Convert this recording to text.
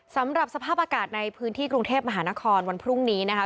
สำหรับสภาพอากาศในพื้นที่กรุงเทพมหานครวันพรุ่งนี้นะคะ